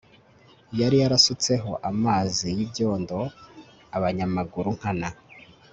yari yarasutseho amazi y'ibyondo abanyamaguru nkana